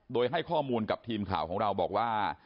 โดยให้ข้อมูลกับทีมข่าวของเราบอกว่า